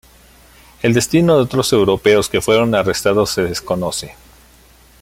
El destino de otros europeos que fueron arrestados se desconoce.